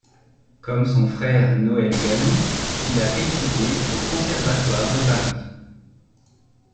Comme son frère Noël Gallon, il a étudié au Conservatoire de Paris.